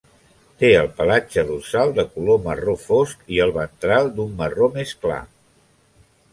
Té el pelatge dorsal de color marró fosc i el ventral d'un marró més clar.